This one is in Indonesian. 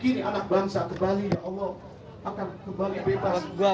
ini anak bangsa kembali ya allah akan kembali bebas